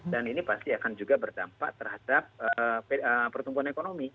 dan ini pasti akan juga berdampak terhadap pertumbuhan ekonomi